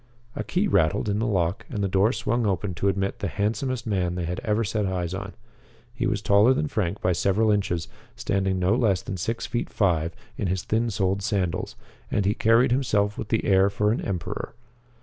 A key rattled in the lock and the door swung open to admit the handsomest man they had ever set eyes on. He was taller than Frank by several inches, standing no less than six feet five in his thin soled sandals, and he carried himself with the air for an emperor.